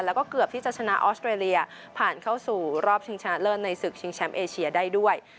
แล้วก็เกือบที่จะชนะออสเตรเลียผ่านเข้าสู่รอบชิงชนะเลิศในศึกชิงแชมป์เอเชียได้ด้วย